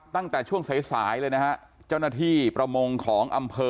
ตั้งแต่ช่วงสายสายเลยนะฮะเจ้าหน้าที่ประมงของอำเภอ